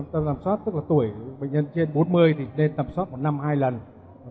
tầm soát tức là tuổi bệnh nhân trên bốn mươi thì nên tầm soát một năm hai lần